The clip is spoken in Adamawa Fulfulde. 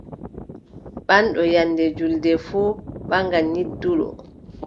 Ɓaŋɗo nyannde juulde fuu ɓaŋan nyidduɗo.